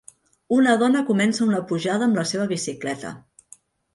Una dona comença una pujada amb la seva bicicleta.